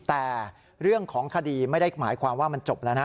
แต่เรื่องของคดีไม่ได้หมายความว่ามันจบแล้วนะ